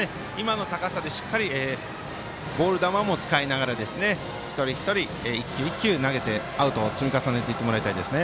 今の高さでボール球も使いながら一人一人、一球一球投げてアウトを積み重ねていってほしいですね。